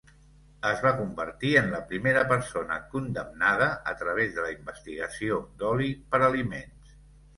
Es va convertir en la primera persona condemnada a través de la investigació d'oli per aliments.